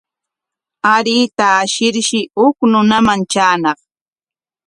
Aruyta ashirshi huk runaman traañaq.